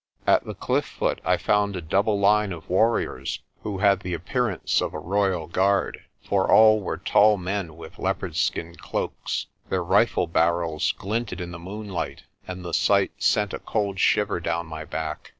At the cliff foot I found a double line of warriors who had the appearance of a royal guard, for all were tall men with leopard skin cloaks. Their rifle barrels glinted in the moonlight, and the sight sent a cold shiver down my back.